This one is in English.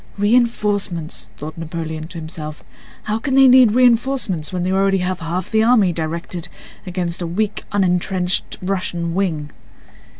"Reinforcements!" thought Napoleon to himself. "How can they need reinforcements when they already have half the army directed against a weak, unentrenched Russian wing?"